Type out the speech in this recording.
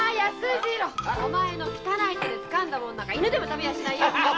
お前の汚い手でつかんだ物なんか犬でも食べやしないよ。